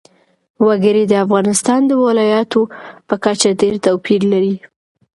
وګړي د افغانستان د ولایاتو په کچه ډېر توپیر لري.